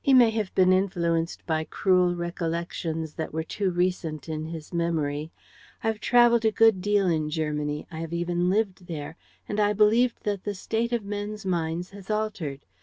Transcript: "He may have been influenced by cruel recollections that were too recent in his memory. I have traveled a good deal in Germany, I have even lived there, and I believe that the state of men's minds has altered.